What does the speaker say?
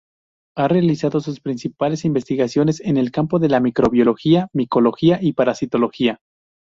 Ha realizado sus principales investigaciones en el campo de Microbiología, Micología y Parasitología.